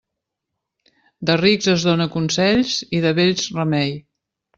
De rics es dóna consells i de vells remei.